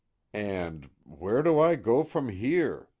And, "Where do I go from here?"